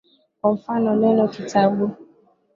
Kwa mfano, neno kitabu.